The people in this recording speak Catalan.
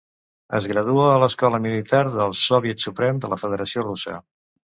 Es gradua a l'Escola Militar del Soviet Suprem de la federació russa.